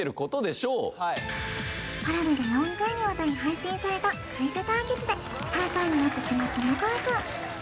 Ｐａｒａｖｉで４回にわたり配信されたクイズ対決で最下位になってしまった向井くん